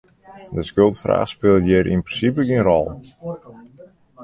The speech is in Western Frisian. De skuldfraach spilet hjir yn prinsipe gjin rol.